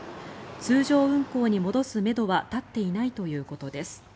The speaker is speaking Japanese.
通常運行に戻すめどは立っていないということです。